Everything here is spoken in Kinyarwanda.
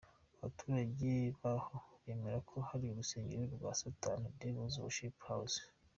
Abaturage baho bemera ko hari urusengero rwa Satani Devil Worship House.